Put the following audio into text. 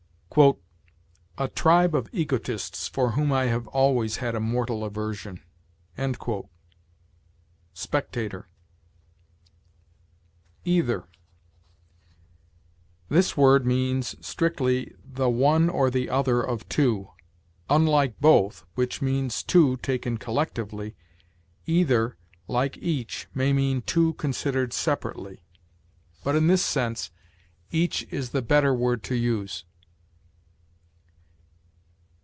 "A tribe of egotists for whom I have always had a mortal aversion." "Spectator." EITHER. This word means, strictly, the one or the other of two. Unlike both, which means two taken collectively, either, like each, may mean two considered separately; but in this sense each is the better word to use.